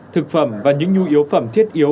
thực phẩm và những nhu yếu phẩm thiết yếu